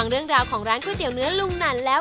เรื่องราวของร้านก๋วยเตี๋ยเนื้อลุงนั่นแล้ว